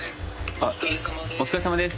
お疲れさまです。